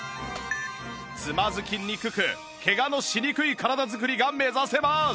つまずきにくくケガのしにくい体づくりが目指せます